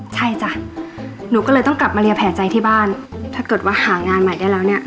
ใช่จ้ะหนูก็เลยต้องกลับมาเรียนแผลใจที่บ้านถ้าเกิดว่าหางานใหม่ได้แล้วเนี่ย